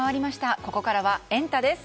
ここからはエンタ！です。